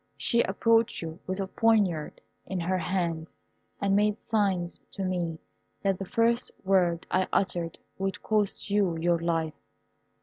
She approached you with a poniard in her hand, and made signs to me that the first word I uttered would cost you your life.